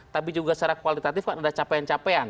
tapi juga secara kualitatif kan ada capaian capaian